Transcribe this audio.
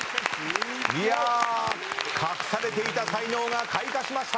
いや隠されていた才能が開花しました。